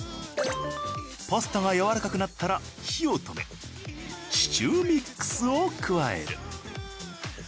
パスタがやわらかくなったら火を止めシチューミックスを加える。